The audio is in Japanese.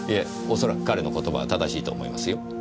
恐らく彼の言葉は正しいと思いますよ。